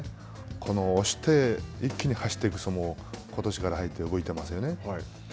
この押して、一気に走っていく相撲、ことしから入って動いてますよね。